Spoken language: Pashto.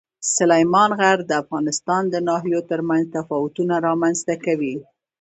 سلیمان غر د افغانستان د ناحیو ترمنځ تفاوتونه رامنځ ته کوي.